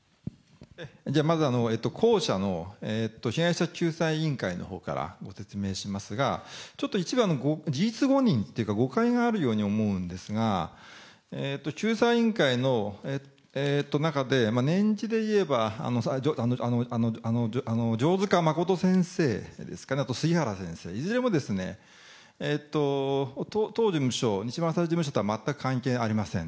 じゃあ、まずは後者の被害者救済委員会のほうからご説明しますが、ちょっと一部、事実誤認というか、誤解があるように思うんですが、救済委員会の中で、年次でいえば、じょうづかまこと先生ですかね、あとすぎはら先生、いずれも、当事務所、うちの事務所とは全く関係がありません。